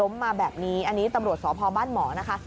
มาแบบนี้อันนี้ตำรวจสพบ้านหมอนะคะ